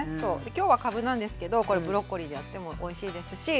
今日はかぶなんですけどこれブロッコリーでやってもおいしいですし。